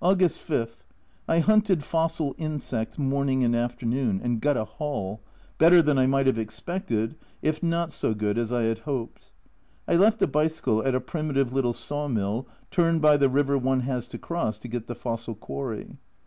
August 5 I hunted fossil insects morning and afternoon, and got a haul, better than I might have expected, if not so good as I had hoped. I left the bicycle at a primitive little saw mill, turned by the river one has to cross to get the fossil quarry.